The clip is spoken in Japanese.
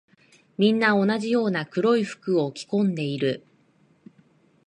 みんな同じような黒い服を着込んでいる。